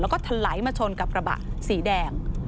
แล้วก็ทะไหลมาชนกับกระบะสีแดง